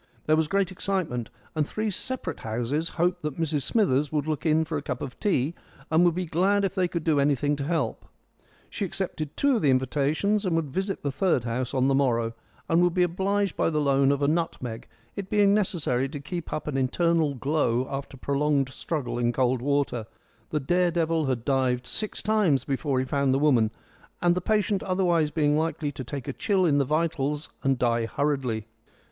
There was great excitement, and three separate houses hoped that Mrs Smithers would look in for a cup of tea, and would be glad if they could do anything to help. She accepted two of the invitations, and would visit the third house on the morrow, and would be obliged by the loan of a nutmeg, it being necessary to keep up an internal glow after prolonged struggle in cold water the dare devil had dived six times before he found the woman and the patient otherwise being likely to take a chill in the vitals and die hurriedly.